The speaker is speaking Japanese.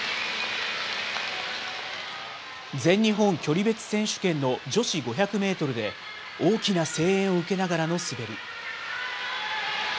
全日本距離別選手権の女子５００メートルで、大きな声援を受けながらの滑り。